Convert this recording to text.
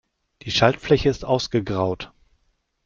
Die Schaltfläche ist ausgegraut.